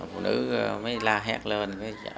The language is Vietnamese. phụ nữ mới la hét lên